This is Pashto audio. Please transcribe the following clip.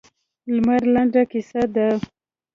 لمر لنډه کیسه ده.